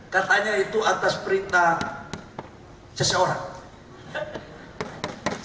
katanya itu atas perintah seseorang